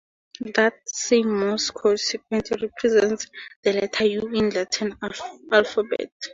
That same Morse code sequence represents the letter U in the Latin alphabet.